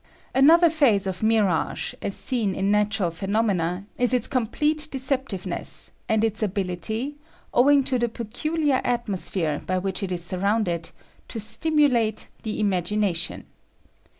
Another phase of mirage, as seen in natural phenomena, is its complete deceptiveness and its ability, owing to the peculiar atmosphere by which it is surrounded, to stimulate the imagination.